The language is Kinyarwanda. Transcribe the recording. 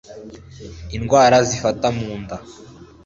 Indwara zifata mu nda